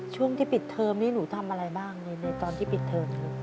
ช่วงที่ปิดเทอมนี้หนูทำอะไรบ้างในตอนที่ปิดเทอมครับ